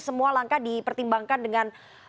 semua langkah dipertimbangkan dengan